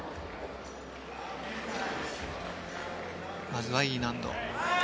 まずはＥ難度。